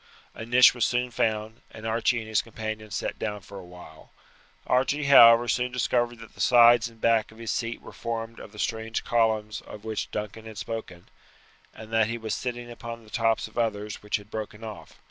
A niche was soon found, and Archie and his companion sat down for a while. Archie, however, soon discovered that the sides and back of his seat were formed of the strange columns of which Duncan had spoken, and that he was sitting upon the tops of others which had broken off.